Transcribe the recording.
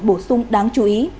bổ sung đáng chú ý